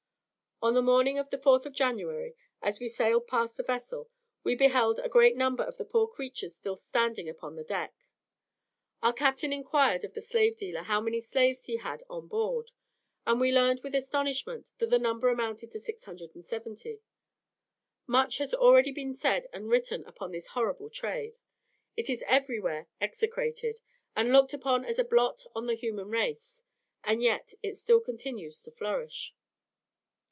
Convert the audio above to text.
On the morning of the 4th of January, as we sailed past the vessel, we beheld a great number of the poor creatures still standing upon the deck. Our captain inquired of the slave dealer how many slaves he had had on board, and we learned with astonishment that the number amounted to 670. Much has already been said and written upon this horrible trade; it is everywhere execrated, and looked upon as a blot on the human race, and yet it still continues to flourish.